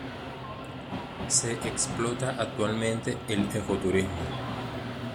Se explota actualmente el ecoturismo.